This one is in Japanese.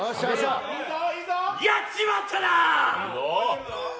やっちまったなぁ。